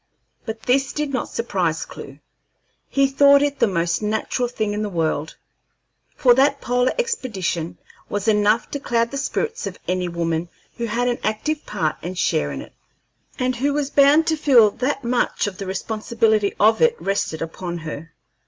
But this did not surprise Clewe; he thought it the most natural thing in the world; for that polar expedition was enough to cloud the spirits of any woman who had an active part and share in it, and who was bound to feel that much of the responsibility of it rested upon her.